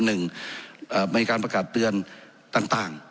หนึ่งมีการประกาศเตือนต่าง